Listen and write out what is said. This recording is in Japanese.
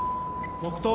黙とう。